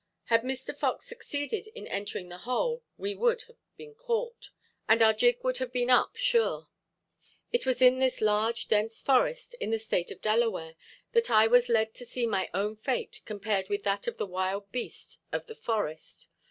Had Mister Fox succeeded in entering the hole we would have been caught, and our jig would have been up sure. It was in this large, dense forest, in the State of Delaware, that I was led to see my own fate compared with that of the wild beast of the forest.